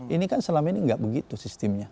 ini kan selama ini nggak begitu sistemnya